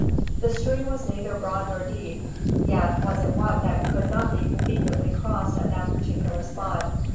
The stream was neither broad nor deep, yet was it one that could not be conveniently crossed at that particular spot.